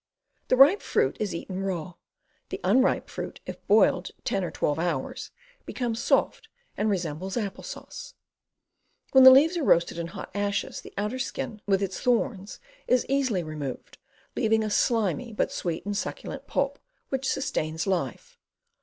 The ripe fruit is eaten raw. The unripe fruit, if boiled ten or twelve hours, becomes soft and resembles apple sauce. When the leaves are roasted in hot ashes, the outer skin, with its thorns, is easily removed, leaving a slimy but sweet and succulent pulp which sustains life.